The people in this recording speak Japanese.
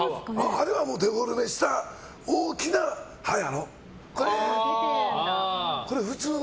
あれはもうデフォルメした大きな歯やろ。